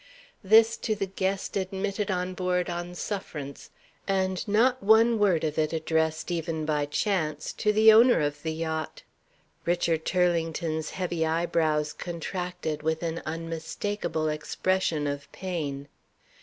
This to the guest admitted on board on sufferance, and not one word of it addressed, even by chance, to the owner of the yacht! Richard Turlington's heavy eyebrows contracted with an unmistakable expression of pain.